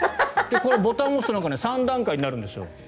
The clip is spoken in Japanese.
このボタンを押すと３段階になるんです。